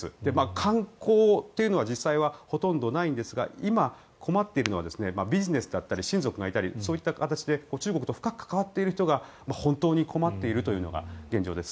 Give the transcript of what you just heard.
観光というのは実際はほとんどないんですが今、困っているのはビジネスだったり親族がいたり、そういった形で中国と深く関わっている人が本当に困っているというのが現状です。